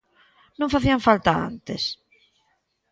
¿Non facían falta antes?